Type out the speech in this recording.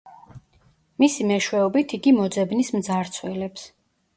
მისი მეშვეობით იგი მოძებნის მძარცველებს.